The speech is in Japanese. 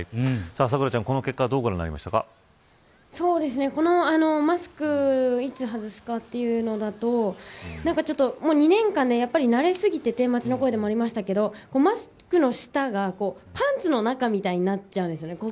咲楽ちゃん、この結果はこのマスクいつ外すかというのだと２年間で慣れすぎてて街の声でもありましたけどマスクの下が、パンツの中みたいになっちゃうじゃないですか。